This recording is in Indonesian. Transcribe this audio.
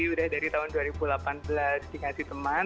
udah dari tahun dua ribu delapan belas dikasih teman